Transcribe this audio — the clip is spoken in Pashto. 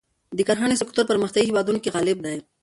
د کرهڼې سکتور پرمختیايي هېوادونو کې غالب دی.